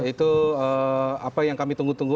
itu apa yang kami tunggu tunggu